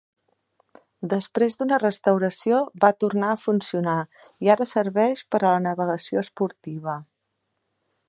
Després d'una restauració va tornar a funcionar i ara serveix per a la navegació esportiva.